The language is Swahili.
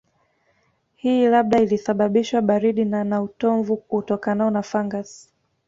Hii labda ilisababishwa baridi na na utomvu utokanao na fangasi